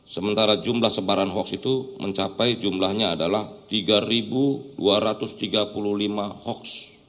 sementara jumlah sebaran hoax itu mencapai jumlahnya adalah tiga dua ratus tiga puluh lima hoax